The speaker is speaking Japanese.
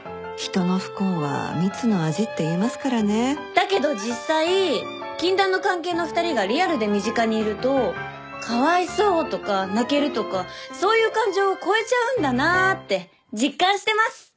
だけど実際禁断の関係の２人がリアルで身近にいるとかわいそうとか泣けるとかそういう感情超えちゃうんだなって実感してます。